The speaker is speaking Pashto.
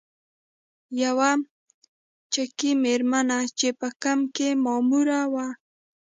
یوه چکي میرمن چې په کمپ کې ماموره وه.